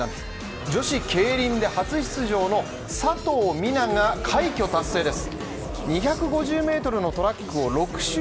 女子ケイリンで初出場の佐藤水菜が快挙達成です。